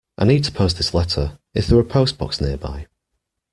I need to post this letter. Is there a postbox nearby?